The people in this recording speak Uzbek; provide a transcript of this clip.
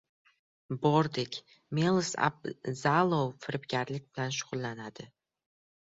Bordik. “Mels Abzalov firibgarlik bilan shug‘ullanadi.